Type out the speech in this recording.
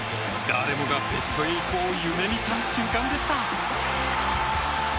誰もがベスト８を夢見た瞬間でした。